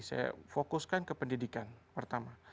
saya fokuskan ke pendidikan pertama